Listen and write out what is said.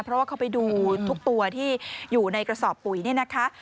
เพราะว่าเขาไปดูทุกตัวที่อยู่ในกระสอบปุ๋ยเนี่ยนะคะ